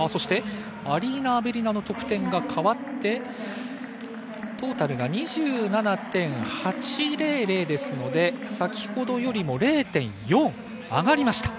アリーナ・アベリナの得点が変わって、トータル２７．８００ですので先ほどよりも０．４上がりました。